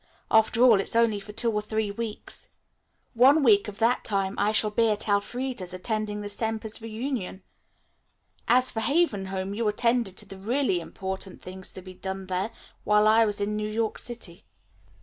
After all, it's only for two or three weeks. One week of that time I shall be at Elfreda's attending the Semper's reunion. As for Haven Home, you attended to the really important things to be done there while I was in New York City.